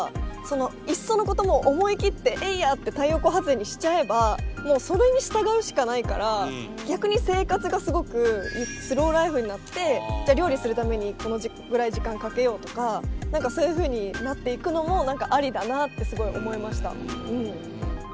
いっそのこともう思い切ってエイヤって太陽光発電にしちゃえばもうそれに従うしかないから逆に生活がすごくスローライフになってじゃ料理するためにこのぐらい時間かけようとか何かそういうふうになっていくのもありだなってすごい思いました。